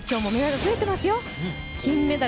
今日も数増えてますよ。